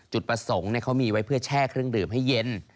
จุดประสงค์เขามีไว้เพื่อแช่เครื่องดื่มให้เย็น